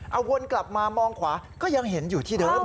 เอาวนกลับมามองขวาก็ยังเห็นอยู่ที่เดิม